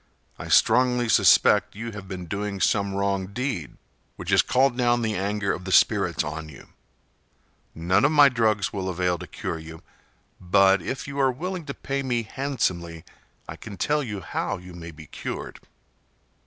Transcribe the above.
I strongly suspect you have been doing some wrong deed which has called down the anger of the spirits on you. None of my drugs will avail to cure you, but if you are willing to pay me handsomely I can tell you how you may be cured."